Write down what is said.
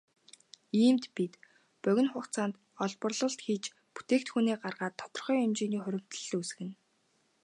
Иймд бид богино хугацаанд олборлолт хийж бүтээгдэхүүнээ гаргаад тодорхой хэмжээний хуримтлал үүсгэнэ.